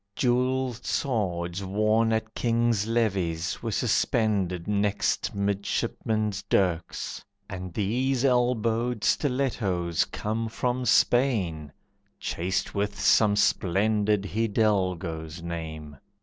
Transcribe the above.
Jewelled swords worn at kings' levees Were suspended next midshipmen's dirks, and these Elbowed stilettos come from Spain, Chased with some splendid Hidalgo's name.